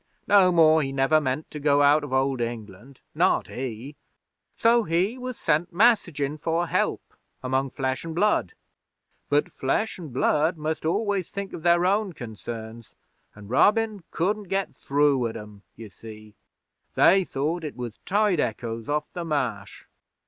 No more he never meant to go out of Old England not he; so he was sent messagin' for help among Flesh an' Blood. But Flesh an' Blood must always think of their own concerns, an' Robin couldn't get through at 'em, ye see. They thought it was tide echoes off the Marsh.'